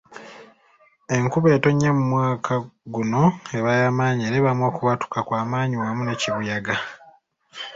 Enkuba etonnya mu mwaka guno eba yamaanyi era ebaamu okubwatuka kwamaanyi wamu ne kibuyaga.